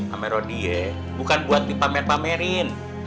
amerodie bukan buat dipamer pamerin